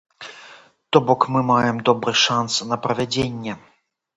То бок мы маем добры шанс на правядзенне.